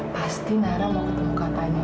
pasti nara mau ketemu katanya